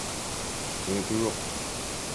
Donnez toujours.